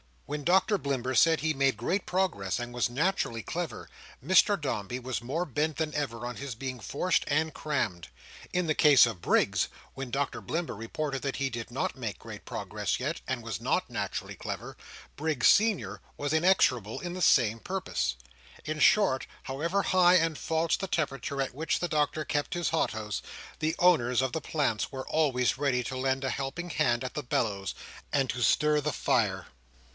When Doctor Blimber said he made great progress and was naturally clever, Mr Dombey was more bent than ever on his being forced and crammed. In the case of Briggs, when Doctor Blimber reported that he did not make great progress yet, and was not naturally clever, Briggs senior was inexorable in the same purpose. In short, however high and false the temperature at which the Doctor kept his hothouse, the owners of the plants were always ready to lend a helping hand at the bellows, and to stir the fire.